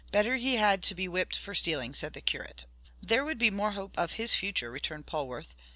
Better he had to be whipped for stealing!" said the curate. "There would be more hope of his future," returned Polwarth.